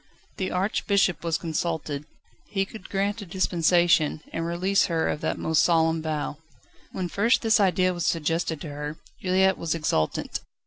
The Archbishop was consulted. He could grant a dispensation, and release her of that most solemn vow. When first this idea was suggested to her, Juliette was exultant.